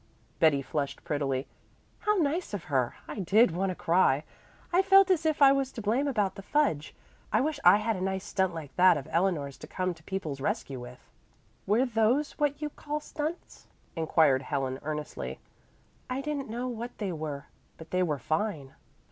Betty flushed prettily. "How nice of her! I did want to cry. I felt as if I was to blame about the fudge. I wish I had a nice stunt like that of Eleanor's to come to people's rescue with." "Were those what you call stunts?" inquired Helen earnestly. "I didn't know what they were, but they were fine."